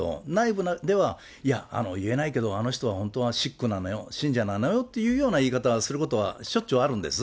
内部では、いや、言えないけど、あの人、本当は食口なのよ、信者なのよっていうような言い方をすることはしょっちゅうあるんです。